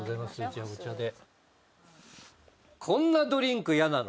じゃあお茶で。